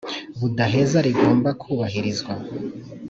budaheza rigomba ku bahirizwa,